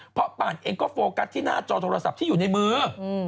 เพราะป่านเองก็โฟกัสที่หน้าจอโทรศัพท์ที่อยู่ในมือ